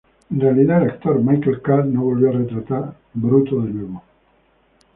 En realidad, el actor Michael Carr no volvió a retratar bruto de nuevo.